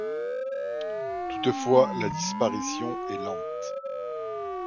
Toutefois la disparition est lente.